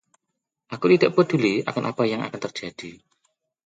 Aku tidak peduli akan apa yang akan terjadi.